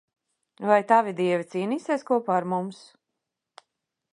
Vai tavi dievi cīnīsies kopā ar mums?